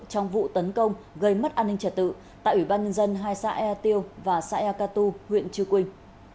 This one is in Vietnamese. trong vụ tấn công gây mất an ninh trẻ tự tại ủy ban nhân dân hai xã ea tiêu và xã ea cà tu huyện chư quỳnh